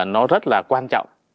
nó rất là quan trọng